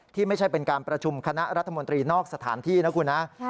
ที่ไม่ใช่เป็นการประชุมคณะรัฐมนตรีนอกสถานที่นะคุณนะ